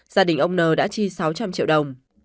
gia đình ông n đã chi sáu trăm linh triệu đồng